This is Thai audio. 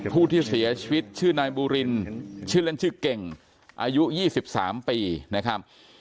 ผู้ที่เสียชีวิตชื่อนายบูรินชื่อเล่นชื่อเก่งอายุ๒๓ปีนะครับ